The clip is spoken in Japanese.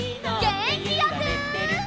げんきよく！